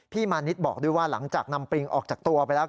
มานิดบอกด้วยว่าหลังจากนำปริงออกจากตัวไปแล้ว